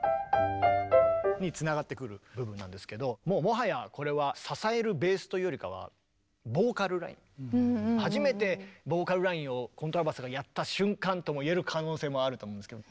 つながってくる部分なんですけどもはやこれは初めてボーカルラインをコントラバスがやった瞬間とも言える可能性もあると思うんですけど池松さん